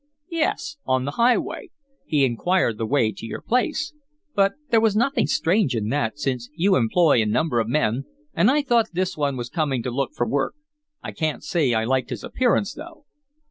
"Yes, on the highway. He inquired the way to your place. But there was nothing strange in that, since you employ a number of men, and I thought this one was coming to look for work. I can't say I liked his appearance, though."